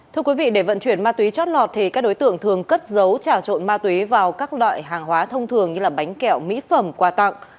thưa quý vị để vận chuyển ma túy chót lọt thì các đối tượng thường cất giấu trà trộn ma túy vào các loại hàng hóa thông thường như bánh kẹo mỹ phẩm quà tặng